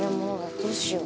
どうしよう？